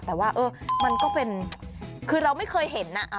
แต่ว่ามันก็เป็นคือเราไม่เคยเห็น